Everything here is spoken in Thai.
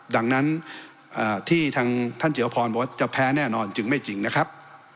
ดังนั้นที่ทางท่านเจียวพรบอกว่าจะแพ้แน่นอนจึงไม่จริงนะครับ